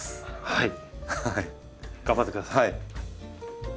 はい。